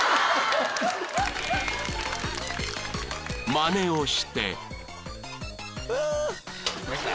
［まねをして］